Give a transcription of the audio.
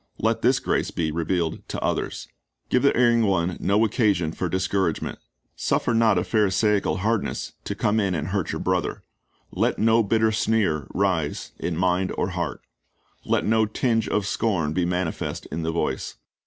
Let this grace be revealed to others. Give the erring one no occasion for discouragement. Suffer not a Pharisaical hardness to come in and hurt your brother. Let no bitter sneer rise in mind or heart. Let no tinge of scorn be manifest in the voice.